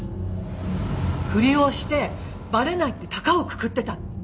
不倫をしてバレないってたかをくくってた。